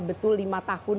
betul lima tahun